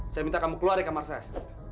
saya minta kamu keluar dari kamar saya